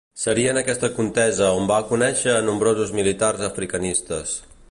Seria en aquesta contesa on va conèixer a nombrosos militars africanistes.